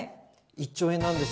１兆円なんです。